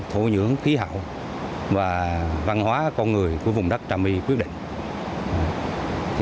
thổ nhưỡng khí hậu và văn hóa con người của vùng đất trà my quyết định